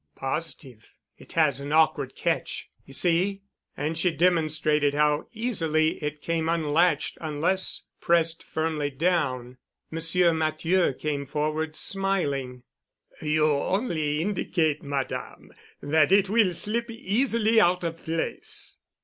"Positive. It has an awkward catch. You see?" And she demonstrated how easily it came unlatched unless pressed firmly down. Monsieur Matthieu came forward smiling. "You only indicate, Madame, that it will slip easily out of place."